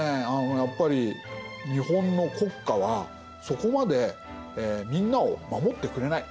やっぱり日本の国家はそこまでみんなを守ってくれない。